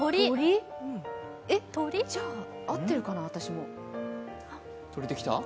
じゃあ、合ってるかな、私も。